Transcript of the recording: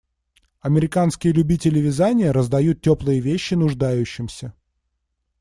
Американские любители вязания раздают теплые вещи нуждающимся